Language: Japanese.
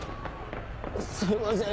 すいません